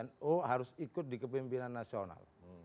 nu harus ikut di kepemimpinan nasional